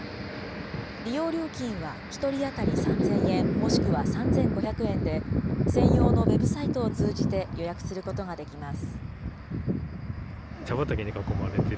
利用料金は１人当たり３０００円、もしくは３５００円で、専用のウェブサイトを通じて、予約することができます。